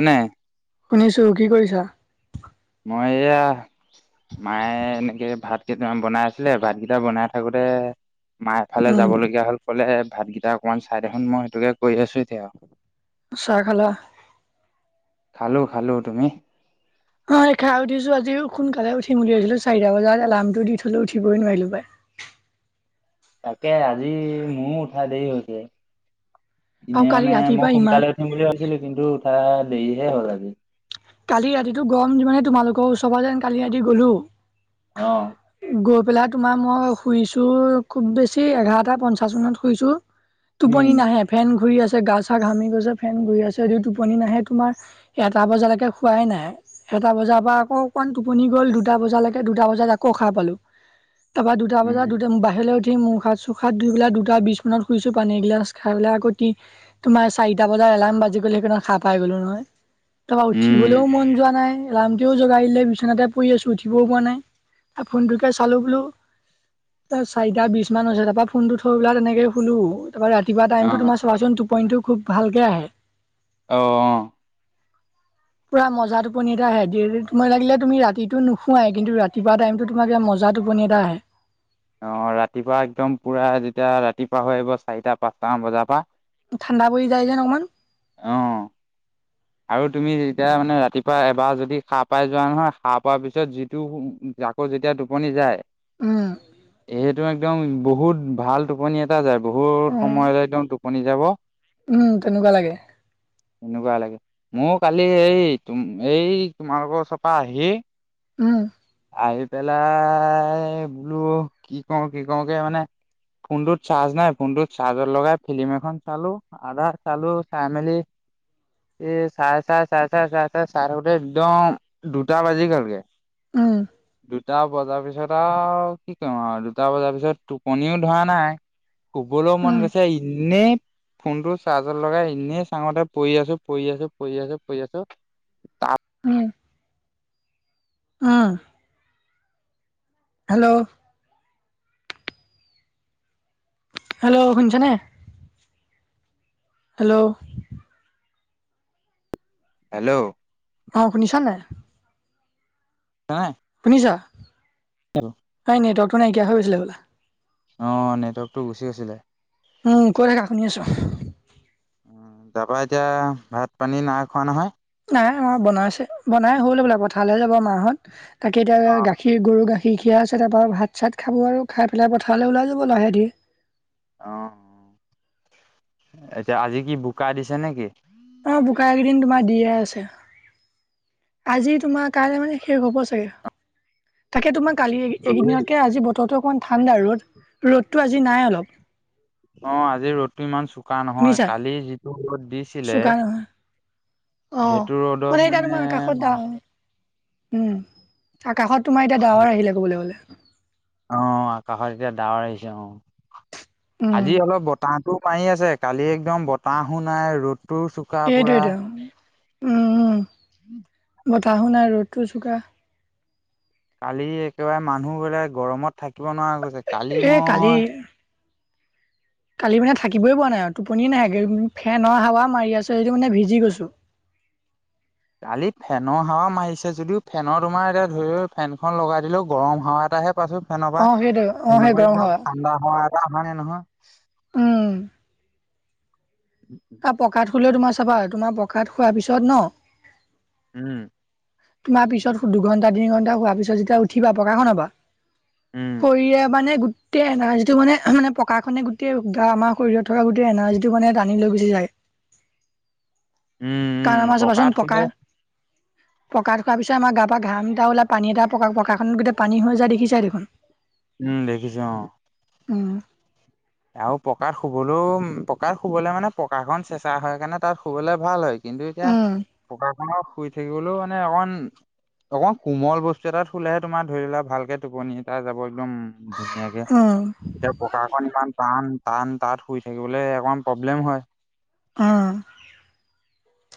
এনে শুনিছো কি কৰিছা। মই এয়া মায়ে এনেকে ভাত কেইটামান বনাই আছিলে ভাত কেইটা বনাই থাকোতে। মায়ে এফালে উম, যাব লগীয়া হ'ল কলে ভাতগেটা অকনমান চাই দেখোন মই এইটোকে কৰি আছো এতিয়া আৰু চাহ খালা। খালো খালো তুমি? হয়। এ খাই উঠিছো আজি সোনকালে উঠিম উ বুলি ভাবিছিলো চাৰিটা বজাত এলাৰ্মটো দি থলো উঠিবই নোৱাৰিলো পাই। তাকে আজি মোও উঠা দেৰি হৈছে। আৰু এনে কালি মানে ৰাতিপুৱা মই ইমান সোনকালে উঠিম বুলি ভাবিছিলো কিন্তু উঠা দেৰি হে হ'ল আজি কালি ৰাতিটো গৰম যিমানহে তোমালোকৰ ওচৰ ফালে এনে কালি ৰাতি গ'লো অহ গৈ পেলাই তোমাৰ মই শুইছো খুব বেছি এঘাৰটা পঞ্চাশ মানত শুইছো। উম। টোপনি নাহে ফেন ঘূৰি আছ। গা চা ঘামি গৈছে ফেন ঘূৰি আছে যদিও টোপনি নাহে তোমাৰ এটা বজালেকে। শুৱাই নাই এটা বজাৰ পৰা আকৌ অকণমান টোপনি গ'ল দুটা বজালেকে দুটা বজাত আকৌ সাৰ পালোঁ। তাপা দুটা উম বজাত দুটা বাহিৰলৈ উঠ মু হাত চু হাত ধুই পেলাই দুটা বিছ মানত শুইছো পানী এগিলাছ খাই পেলাই আকৌ তি তোমাৰ চাৰিটা বজাত। এলাম বাজি গ'লে সেইকাৰণ সাহ পাই গলো নহয় তাপা উঠিবলৈও উম মন যোৱা নাই। এলাৰ্মটোৱেও জোগাই দিলে বিচনাতে পৰি আছোঁ উঠিবও পৰা নাই আ ফোনটোকে চালোঁ বোলো। ত চাৰিটা বিছ মান হৈছে তাপা ফোনটো থৈ পেলাই তেনেকে শুলো। তাপা ৰাতিপুৱা অ টাইমটো তোমাৰ চাবাচোন টোপনিটো খুব ভালকে আহে। অ অ পুৰা মজা টোপনি এটা আহে ডেলি তোমাৰ লাগিলে তুমি ৰাতিটো নুশুৱাই কিন্তু ৰাতিপুৱা টাইমতো তোমাৰ যে মজা। জা টোপনি এটা আহে। অ ৰাতিপুৱা একদম পুৰা যেতিয়া ৰাতিপুৱা হৈ আহিব চাৰিটা পাঁচটা মান বজা পা ঠাণ্ডা পৰি যায় যেন অকমান। অ আৰু তুমি যেতিয়া মানে ৰাতিপুৱা এবাৰ যদি সাৰ পাই যোৱা নহয় সা পোৱাৰ পিছত যিটো আকৌ যেতিয়া টোপনি যায়। এইটো একদম বহুত ভাল টোপনি এটা যায়। বহুত উম। সময় একদম টোপনি যাব। উম, তেনেকুৱা লাগে। এনেকুৱা লাগে মোৰ কালি এই তুম এই তোমালোকৰ ওচৰ পৰা আহি। উম। আহি পেলাই বোলো কি কওঁ কি কওঁ কে মানে ফোনটোত চাৰ্জ নাই ফোনটোত চাৰ্জৰ লগাই ফিলি্ম এখন চালো আধা চালো চাই মেলি এ চাই চাই চাই চাই চাই চাই চাই থাকোতে একদম দুটা বাজি গলগে। উম। দুটা বজাৰ পিছত আৰু কি কই ইম আৰু দুটা বজাৰ পিছত টোপনিও ধৰা নাই। শুবলৈও মন উম, গৈছে ইনেই ফোনটো চাৰ্জৰ লগাই ইনেই চাঙতে পৰি আছো। প-ই আছো প-ই আছো প-ই আছো তাপ উম, উম হেল্ল' হেল্ল' শুনিছেনে হেল্ল' হেল্ল' অ শুনিছা নাই? হই নাই শুনিছা নাই নেটৱৰ্কটো নাইকিয়া হৈ গৈছিলে হবলা। অ নেটৱৰ্কটো গুচি গৈছিলে। উম কৈ থাকা শুনি আছো। উম তাপা এতিয়া ভাত পানী নাই খোৱা নহয়। নাই আমাৰ বনাইছে বনাই হ'ল হবলা পথাৰলেহে যাব মা হত তাকে অ এতিয়া গাখীৰ গৰু গাখীৰ। ৰ খিয়াই আছে তাপা ভাত চাত খাব আও খাই পেলাই পথাৰলে ওলাই যাব লাহেকে। অ এতিয়া আজি কি বোকা দিছে নেকি? অ বোকা একেইদিন তোমাৰ দিয়ে আছে। আজি তোমাৰ কাইলে মানে শেষ হ'ব চাগে তাকে তোমাক। কালি এইকেইদিনতকে আজি বতৰো অকমান ঠাণ্ডা ৰ'দ ৰ'দটো আজি নাই অলপ। অ আজি ৰ'দটো ইমান চোকা নহয় শুনিছা? কালি যিটো ৰ'দ দিছিলে। অহ সেইটো ৰ'দত মানে এতিয়া তোমাৰ কাষত দা হল। উম আকাশত তোমাৰ এতিয়া ডাৱৰ আহিলে ক'বলৈ গলে। অ আকাশত এতিয়া ডাৱৰ আহিছে অ উম আজি অলপ বতাহ। তো মা ই আছে কালি একদম বতাহো নাই ৰ'দটো চোকা পুৰা। সেইটোৱেতো উম। [unintelligible] বতাহো নাই ৰ'দটোও চোকা। কালি একেবাৰে মানুহ বিলা গৰমত থাকিব নোৱাৰা গৈছে কালি এই কালি মই। [unintelligible] কালি মানে থাকিবই পআ নাই আও টোপনিয়ে নাই একে ফেনৰ হাৱা মাৰি আছে যদিও মানে ভিজি গৈছো। [unintelligible] কালি ফেনৰ হাৱা মাৰিছে যদিও ফেনৰ তোমাৰ এতিয়া ধৰিও ফেনখন লগাই দিলেও গৰম হাৱা এটাহে পাছোত ফেনপা অ সেইটো অ সেই ফেনৰ পৰা গৰম একদম হাৱা ঠাণ্ডা হাৱা এটা আহা নাই নহয়। উম আ পকাত শুলেও তোমাৰ চাবা তোমাৰ পকাত শুৱাৰ পিছত ন উম তোমাৰ পিছত দুঘণ্টা তিনি ঘণ্টা হোৱাৰ পিছত যেতিয়া উঠিবা পকা খনৰ পা উম শৰীৰে মানে গোট টে এলাৰ্জি উম উম কাৰণ আমাৰ পকাত চাবাচোন শুলে পকা পকাত শুৱাৰ পিছত আমাৰ গা পা ঘাম এটা ওলাই পানী এটা পকা পকাখন গোটেই পানী হৈ যায় দেখিছাই দেখোন। উম দেখিছো অ। উম আৰু পকাৰ শুবলৈও পকাত শুবলে মানে পকাখন চেঁচা হয় কাৰণে তাত শুবলে ভাল হয়। কিন্তু এতিয়া উম, পকা খনৰ শুই থাকিবলৈও মানে অকমান অকণ কোমল বস্তু এটাত শুলেহে তোমাৰ ধৰি লোৱা ভালকে টোপনি এটা যাব একদম ধুনীয়াকে উম, এতিয়া পকা খন টান টান টান তাত শুই থাকিবলে অকণমান প্ৰব্লেম হয়। অহ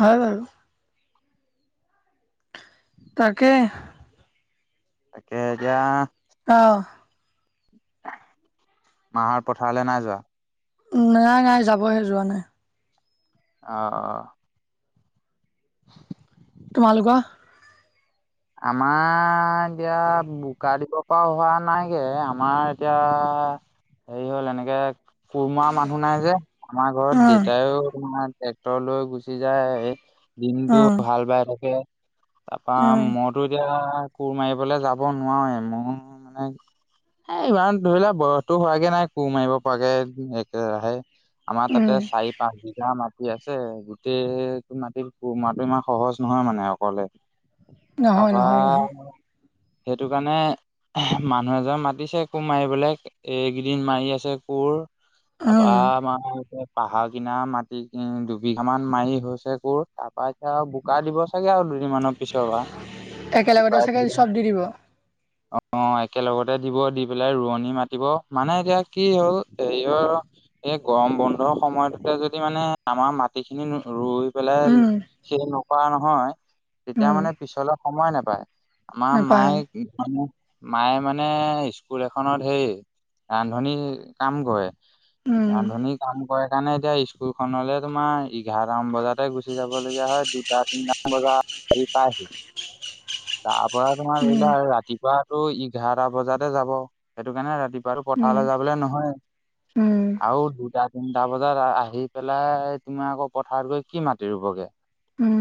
হয় বাৰো। তাকে তাকেহে এতিয়া অ', মা হত পথাৰলে নাই যোৱা? নাই নাই যাবহে যোৱা নাই। অহ [unintelligible] তোমালোকৰ? আমাৰ এতিয়া বোকা দিব পৰা হোৱা নাইগে আমাৰ এতিয়া পা হেৰি হল এনেকে কোৰ মৰা মানুহ নাই যে আমাৰ ঘৰত উম, দেতাইও তোমাৰ টেক তৰ লই গুচি যায় দিনটো উম, হাল বাই থাকে তাপা উম, মই পা কোৰ মাৰিবলে যাব নোৱাৰোয়ে মোৰ মানে এ ইমান ধৰি লোৱা বয়সতো হোৱাগে নাই কোৰ মাৰিব পৰাকে একেৰাহে। আমাৰ উম, তাতে চাৰি পাঁচ বিঘা মাত হি আছে গোটেই মাটি কোৰ মৰাটো ইমান সহজ নহয় মানে অকলে। নহয় তাপা নহয় নহয় সেইটো কাৰণে মানুহ এজন মাতিছে কোৰ মাৰিবলে এইকেইদিন মাৰি আছে কোৰ তাপা উম, আমাৰ হৈছে পাহাৰ কিনা মাটি দুবিঘামান মাৰি হৈছে কোৰ তাৰ পৰা এতিয়া আৰু বোকা দিব চাগে আৰু দুদিন মানৰ পিচ একেলগতে চাগে চব দি দিব। অ একেলগতে দিব দি পেলাই ৰোৱনী মাতিব, মানে এতিয়া কি হ'ল হেৰিয় এই গৰম বন্ধৰ সময়তোতে যদি মানে আমাৰ মাটি খিনি নৰু ৰুই পেলাই উম, সেই নকৰা নহয় তেতিয়া উম, মানে পিছলে সময় নাপায়, আমাৰ মায়ে নাপায় কি মানে মায়ে মানে স্কুল এখনত সেই ৰান্ধনী কাম কৰে। উম, ৰান্ধনী কাম কৰে সেইকাৰণে এতিয়া স্কুল খনলে তোমাৰ এঘাৰটামান বজাতে গুচি যাব লগীয়া হয় দুটা তিনটামান বজাত আহি পাইহি। [unintelligible] তা পৰা তোমাৰ ধৰি উম, লোৱা ৰাতিপুৱাটো এঘাৰটা বজাতে যাব সেইটো কাৰণে ৰাতিপুৱাটো ক উম। পথালে যাবলে নহয় উম, আৰু দুটা তিনটা বজাত আহি পেলাই তোমাৰ আকৌ পথাৰত গৈ কি মাতি ৰুবগে উম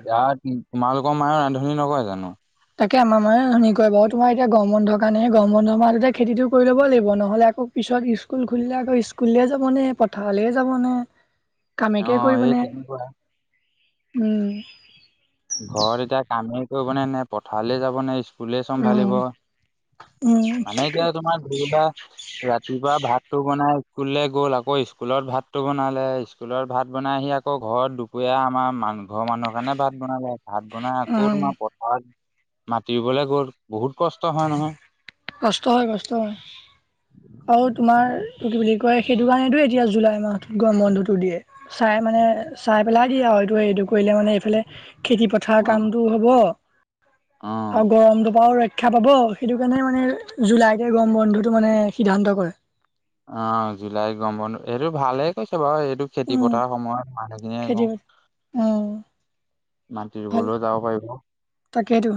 এতিয়া তোমালোকৰ মায়ে ৰান্ধনি নকয় জানো তাকে আমাৰ মায়ে ৰান্ধনি কৰে বাও তোমাৰ এতিয়া গৰম বন্ধ কাৰণে হে গৰম বন্ধ মাহতে খেতিটো কৰি লব লাগিব নহ'লে আকৌ পি পিছত স্কুল খুলিলে আকৌ স্কুললে যাব নে পথাৰলে যাব নে অ কামেকে কৰিব সেই নে তেনেকুৱা। উম ঘৰত এতিয়া কামেই কৰিব নে নে পথাৰলে যাব নে স্কুলে উম, চম্ভালিব উম, মানে এতিয়া তোমাৰ ঘৰুবা ৰাতিপুৱা ভাতটো বনাই স্কুললৈ গ'ল আকৌ স্কুলত ভাতটো বনালে, স্কুলত ভাত বনাই আহি আকৌ ঘৰত দুপৰীয়া আমাৰ মাং ঘৰৰ মানুহৰ কাৰণে ভাত বনালে ভাত বনাই আকৌ উম। তোমাৰ পথাৰত মাতিবলৈ গ'ল। বহুত কষ্ট হয় নহয়। কষ্ট হয় কষ্ট হয় আৰু তোমাৰ কি বুলি কয় সেইটো কাৰণেতো এতিয়া জুলাই মাহটোত গৰম বন্ধটো দিয়ে। চাই মানে চাই পেলাই দিয়ে আও এইটো এইটো কৈ মানে এইফালে খেতি পথাৰ অ'। কামতটো হ'ব আৰু অ', গৰমটো পৰাও ৰক্ষ- শিক্ষা পাব সেইটো কাৰণে মানে জুলাইতে গৰম বন্ধুটো মানে সিদ্ধান্ত কৰে। অ জুলাই গৰম বন্ধ এইটো ভালে কৈছে বাৰু এই- টো খেতি উম পথাৰ সময়ত মানুহখিনিয়ে কওঁ ও মাটি ৰুবলৈও যাব পাৰিব। তাকেইতো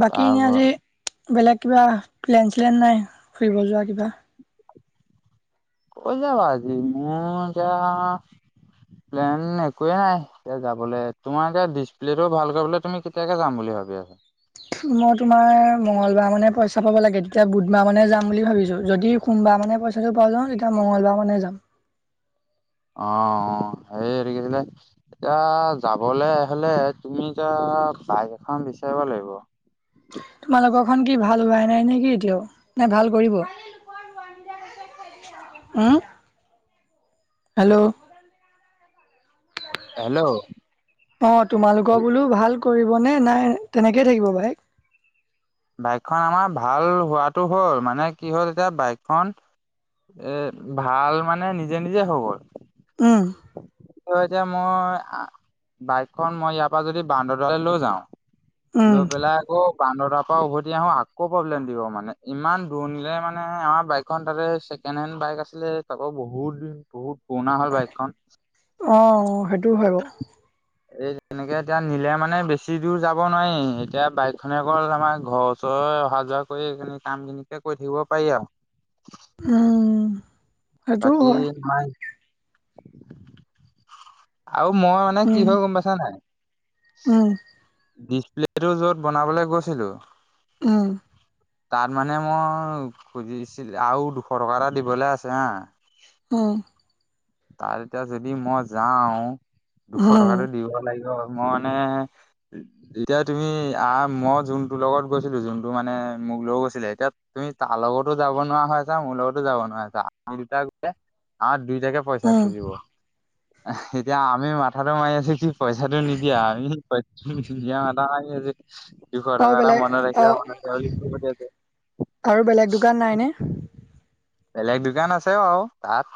বাকী তাৰ ইংৰাজী বেলেগ কিবা প্লেন চলেন নাই ফুৰিব যোৱা কিবা? ক'লে যাবা আজি মই এতিয়া প্লেন একোৱে নাই, এতিয়া যাবলে তোমাৰ এতিয়া ডিছপ্লেটো ভাল কৰিবলে তুমি কেতিয়াকে যাম বুলি ভাব ভাবি আছা। মই তোমাৰ মঙ্গলবাৰ মানে পইচা পাব লাগে তেতিয়া বুধবাৰ মানে যাম বুলি ভাবিছোঁ যদি সোমবাৰ মান মানে পইচাটো পাই যাওঁ তেতিয়া মংগলবাৰ মানে যাম। অ সেই হেৰি এইটো কিছিলে এতিয়া যাবলৈ হলে তুমি এতিয়া এ বাইক এখন বিচাৰিব লাগিব। [inaudible] তোমালোকৰখন কি ভাল হোৱাই নাই নেকি এতিয়াও? না ভাল কৰিব? উম হেল্ল' হেল্ল' অ তোমালোকৰ বোলো ভাল কৰিবনে নাই তেনেকেই থাকিব বাইক? বাইকখন আমাৰ ভাল হোৱাটো হ'ল মানে কি হ'ল এতিয়া বাইকখন এ ভাল মানে নিজে নিজে হৈ গ'ল। উহ এতিয়া মই বাইকখন মই ইয়াৰ পৰা যদি বান্দৰদুৱাৰলৈ যাওঁ। ফুল উম পেলাই আকৌ বান্দৰদুৱাৰ উভতি আহো আকৌ প্ৰব্লেম দিব মানে ইমান দূৰণিলে মানে আমাৰ বাইকখন তা ছেকেণ্ড হেণ্ড বাই- বাইক আছিলে তাকৰ বহুত দিন বহুত পুৰণা হ'ল বাইক। অ সেইটোও হয় বাও। এনেকে এতিয়া নিলে মানে বেছি দূৰ যাব নোৱাৰি এতিয়া বাইকখনে গ'ল আমাৰ ঘৰৰ ওচৰৰে অহা যোৱা কৰি সিনি কাম খিনে কৰি থাকিব পাৰি আও। উম সেইটোও বাকী হয় মায় আৰু মই মানে কি উম হৈ গম পাইছা নাই। উম প্লেটো য'ত বনাবলৈ গৈছিলোঁ। উহ তাত মানে মই খুজিছিল আৰু দুশ টকা এটা দিবলৈ আছে হা ওহ তাৰ এতিয়া যদি মই যাও দুশ উম, টকাতটো দিব লাগিব। মই মানে যেতিয়া তুমি আহ মই যোনটো লগত গৈছিলো যোনটো মানে মোক লৈ গৈছিলে এতিয়া তুমি তাৰ লগতো যাব নোৱাৰা হৈ আছা, মোৰ লগতো যাব নোৱাৰা হৈ আছা আমি দুটাই গ'লে আমাৰ দুইটাকে পইচা উম, খুজিব এতিয়া আমি মাথাটো মাৰি আছো কি পইচাটো নিদিয়া, আমি পইচাটো নিদিয়া মাথা মাৰি আছোঁ। দুশ আৰু টকা এটা বেলেগ মনত ৰাখিব অ', মনত ৰাখিব [unintelligible] আৰু বেলেগ দোকান নাই নে? বেলেগ দোকান আছে বাও তাত।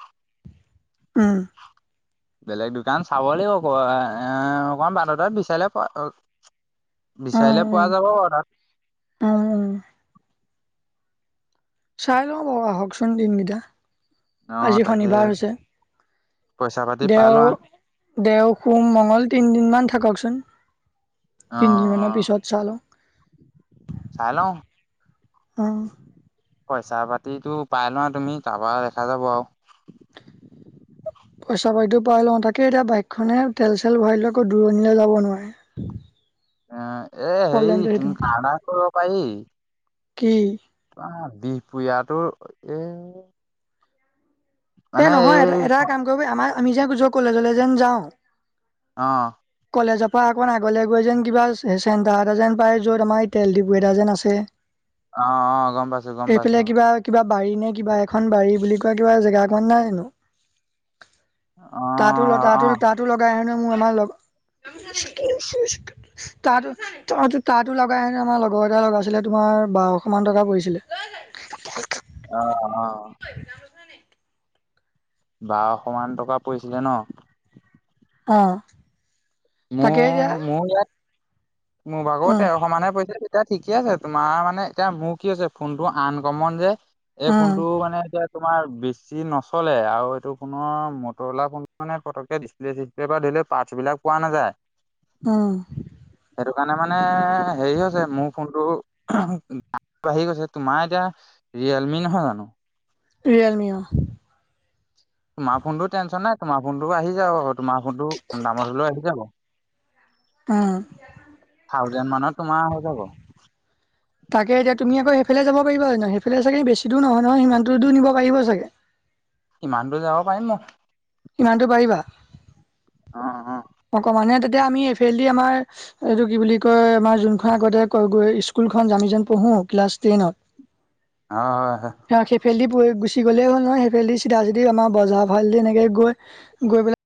উহ বেলেগ দোকান চাব লাগিব কবা [unintelligible] অকণমান বাটতে বিচাৰিলে পোৱা অ উম, বিচাৰিলে পোৱা উম, যাব অ তাত। উম, উম। চাই লওঁ বাও আহকচোন দিনকেইটা। অ আজি তাকে শনিবাৰ হৈছে, পইচা পাতি পাই লোৱা দেও- দেও, সোম, মঙ্গল তিনিদিনমান থাককচোন। অ অ তিনদিনমানৰ পিছত চালো। চাই লওঁ। উহ পইচা পাতিটো পাই লোৱা তুমি তাপা দেখা যাব আও। পইচা পাতিও পাই লওঁ তাকে এতিয়া বাইকখনে তেল চেল ভৰাই লৈ আকৌ দূৰণিলৈ যাব নোৱাৰে। এ হেৰি প্ৰব্লেমটো সেইটো, তুমি কাঢ়া কৰিব পাৰি। কি তোমাৰ বিহ পোৰিয়াতো এ সেই নহয় এ এটা কাম কৰিব আমাৰ আমি যে য কলেজলে যেন যাও। অ কলেজৰ পৰা অকন আগলে গৈ যেন কিবা চেণ্টাৰ এটা যেন পায় য'ত আমাৰ তেল ডিপু এটা যেন আছে। অ অ গম পাইছো গম পাইছো সেইফালে অ। কিবা কিবা বাৰী নে কিবা এখন বাৰী বুলি কোৱা কিবা জেগা এখন নাই জানো। অ তাতো তাতো অ তাঁতো লগাই হেনো মো আমাৰ লগ [unintelligible] তাতো লগাই আমাৰ লগৰ এটা লগাইছিলে তোমাৰ বা- অকমান টকা পৰিছিল। আহ অ বাৰশ মান টকা পৰিছিলে ন। অ ম তাকে এতিয়া মও ইয়াত মোৰ উম ভাগতে সমানে পইছে নি এতিয়া ঠিকে আছে তোমাৰ মানে এতিয়া মোৰ কি হৈছে ফোনটো আন কমন যে এই উম ফোনটো মানে এতিয়া তোমাৰ বেছি নচলে আৰু এইটো পুনৰ মটৰলা মানে পতককে ডিচপ্লে চিচপ্লে বা ধ- বোলে পাছ বিলাক পোৱা নাযায়। উহ সেইটো কাৰণে মানে হেৰি হৈছে মোৰ ফোনটো [unintelligible] বাঢ়ি গৈছে তোমাৰ এতিয়া ৰিয়েলমি নহয় জানো? ৰিয়েলমি অ। তোমাৰ ফোনটো টেনচন নাই তোমাৰ ফোনটো আহি যাব তোমাৰ ফোনটো কম দামত হলেও আহি যাব। উম। থাউজেণ্ড মানত তোমাৰ হৈ যাব। তাকে এতিয়া তুমি আকৌ সে- সেইফালে যাব পাৰিব হয় নহয় সেইফালে চাগে বেছি দূৰ নহয় নহয় সিমানতো দূৰ নিব পাৰিব চাগে। ইমান দূৰ যাব পাৰিম ম। ইমান দূৰ পাৰিবা। অহ অহ। অক মানে তেতিয়া আমি এফেলদি আমাৰ এইটো কি বুলি কয় আমাৰ যোনখন আগতে স্কু- সেইখন যামি যেন পঢ়ো ক্লাছ তেইন'ত হয় হয় হয় সেফেলেদি পই গুচ- চি গ'লেই হ'ল নহয় সেইফালেদি চিধা চিধি আমাৰ বজাৰ ফালদি এনেকৈ গৈ গৈ পেলাই